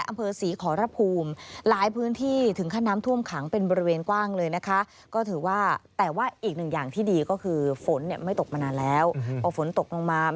มีพายุรูดูร้อนลมกระโชคร่าง